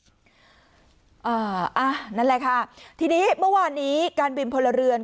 นั่นแหละค่ะทีนี้เมื่อวานนี้การบินพลเรือน